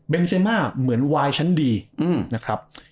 เป็นเซมาเหมือนวายชั้นดีนะครับ